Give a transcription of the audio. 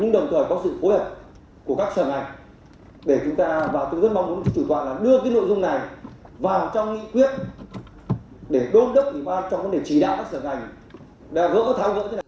để đốt đất địa bàn trong vấn đề trí đạo các sở ngành